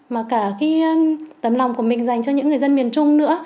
mà cả tấm lòng của mình dành cho những người dân miền trung nữa